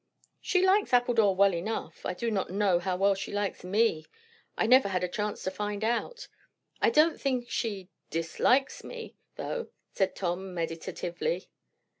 "She likes Appledore well enough. I do not know how well she likes me. I never had a chance to find out. I don't think she _dis_likes me, though," said Tom meditatively.